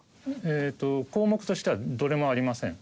えーっと項目としてはどれもありません。